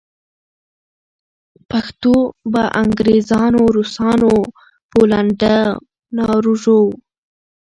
پښتو به انګریزانو، روسانو پولېنډو ناروېژو